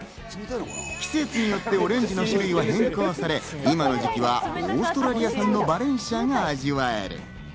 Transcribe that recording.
季節によってオレンジの種類が変更され、今の時期はオーストラリア産のバレンシアが味わえる。